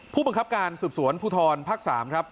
ผู้บังคับการสืบสวนภูทรภาค๓ครับ